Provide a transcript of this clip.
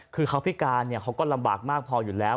คือเขาพิการเขาก็ลำบากมากพออยู่แล้ว